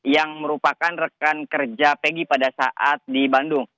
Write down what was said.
yang merupakan rekan kerja peggy pada saat di bandung